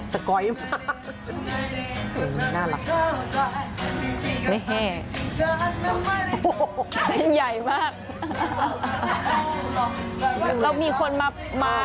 ตะก๋อยมากหน้าหลับไม่แห้โอ้โหให้ใหญ่มากแล้วมีคนมามา